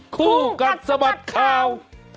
คู่กันสมัครข่าว